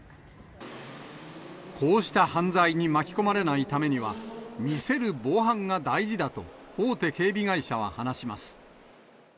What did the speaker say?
こうした犯罪に巻き込まれないためには、見せる防犯が大事だと、大手警備会社は話します。